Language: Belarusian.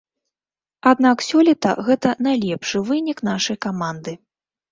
Аднак сёлета гэта найлепшы вынік нашай каманды.